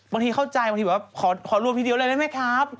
บางทีเข้าใจบางทีบอกว่าขอรวมทีเดียวเลยแม่ครับ